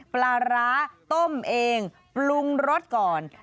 ปลาร้าต้มเองปรุงรสก่อน